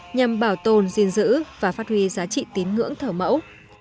nhằm bảo tồn dinh dữ và phát huy giá trị tín ngưỡng thờ mẫu